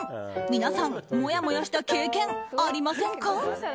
皆さん、もやもやした経験ありませんか？